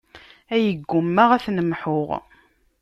Ay ggummaɣ ad ten-mḥuɣ.